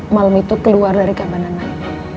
malam itu keluar dari keamanan al